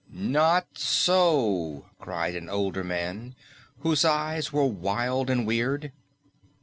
"Not so!" cried an older man, whose eyes were wild and weird.